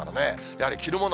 やはり着るもの